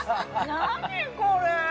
何これ！